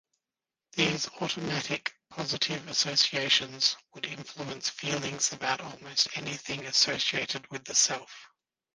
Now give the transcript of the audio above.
These automatic positive associations would influence feelings about almost anything associated with the self.